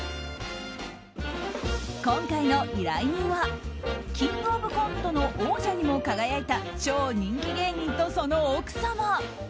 今回の依頼人は「キングオブコント」の王者にも輝いた超人気芸人とその奥様。